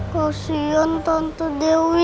kasian tante dewi